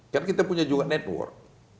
kan kita punya juga network